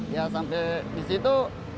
ya sampai di situ